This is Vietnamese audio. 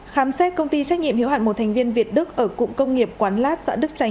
khám xét công ty trách nhiệm hiếu hạn một thành viên việt đức ở cụng công nghiệp quán lát xã đức trành